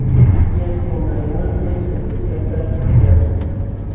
Yakunaywanmi cervezata upyaqlun.